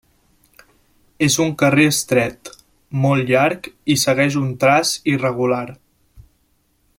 És un carrer estret, molt llarg i segueix un traç irregular.